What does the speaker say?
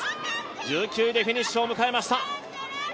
１９位でフィニッシュを迎えました。